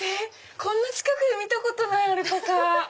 こんな近くで見たことないアルパカ。